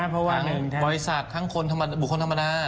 เพราะว่าบริษัททั้งคนบุคคลธรรมดา